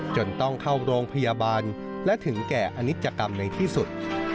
จนต้องเข้าโรงพยาบาลและถึงแก่อนิจกรรมในที่สุด